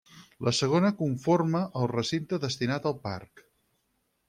La segona conforma el recinte destinat a parc.